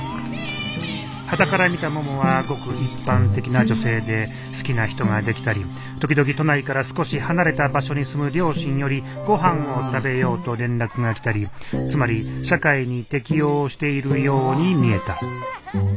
端から見たももはごく一般的な女性で好きな人ができたり時々都内から少し離れた場所に住む両親よりごはんを食べようと連絡が来たりつまり社会に適応しているように見えた。